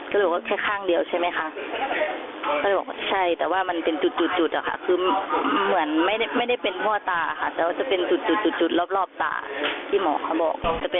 เขาก็บอกว่าใช่ข้างเดียวใช่ไหมคะ